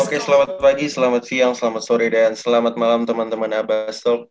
oke selamat pagi selamat siang selamat sore dan selamat malam teman teman abasok